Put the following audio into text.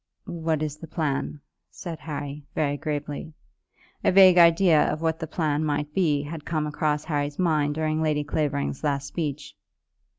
"What is the plan?" said Harry, very gravely. A vague idea of what the plan might be had come across Harry's mind during Lady Clavering's last speech.